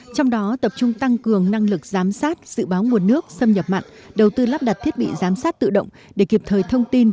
trong đó tập trung tăng cường năng lực giám sát dự báo nguồn nước xâm nhập mặn đầu tư lắp đặt thiết bị giám sát tự động để kịp thời thông tin